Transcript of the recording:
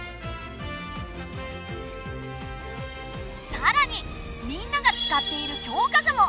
さらにみんなが使っている教科書も！